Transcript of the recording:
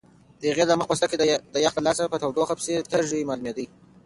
د هغې د مخ پوستکی د یخنۍ له لاسه په تودوخه پسې تږی معلومېده.